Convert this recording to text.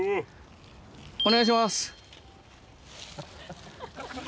お願いします。